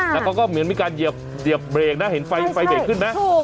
แล้วก็เหมือนมีการเหยียบเบรคนะเห็นไฟเบ่ยขึ้นมั้ย